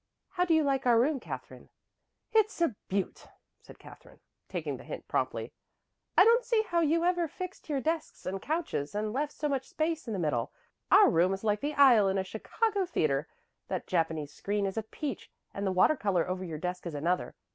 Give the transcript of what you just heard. How do you like our room, Katherine?" "It's a beaut," said Katherine, taking the hint promptly. "I don't see how you ever fixed your desks and couches, and left so much space in the middle. Our room is like the aisle in a Chicago theatre. That Japanese screen is a peach and the water color over your desk is another.